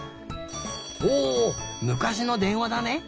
おむかしのでんわだね。